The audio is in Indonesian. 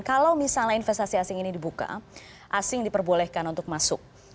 kalau misalnya investasi asing ini dibuka asing diperbolehkan untuk masuk